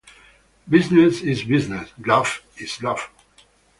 Business is business, love is love.